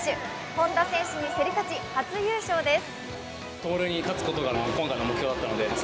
本多選手に競り勝ち、初優勝です。